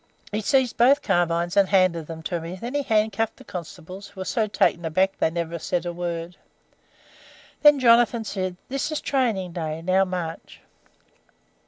"He seized both carbines and handed them to me; then he handcuffed the constables, who were so taken aback they never said a word. Then Jonathan said, 'This is training day. Now, march.'